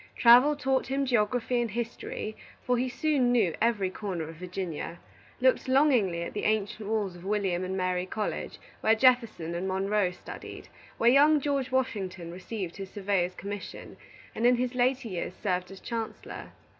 Travel taught him geography and history, for he soon knew every corner of Virginia; looked longingly at the ancient walls of William and Mary College, where Jefferson and Monroe studied; where young George Washington received his surveyor's commission, and in his later years served as Chancellor.